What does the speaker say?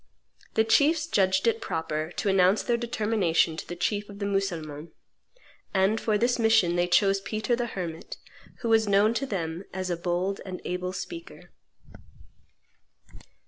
The chiefs judged it proper to announce their determination to the chief of the Mussulmans; and for this mission they chose Peter the Hermit, who was known to them as a bold and able speaker.